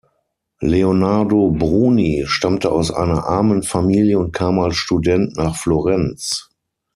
Leonardo Bruni stammte aus einer armen Familie und kam als Student nach Florenz.